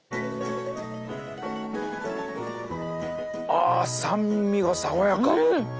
あ酸味が爽やか！